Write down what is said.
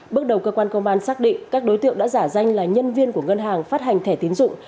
bước đầu cơ quan công an xác định các đối tượng đã giả danh là nhân viên của ngân hàng phát hành thẻ tín dụng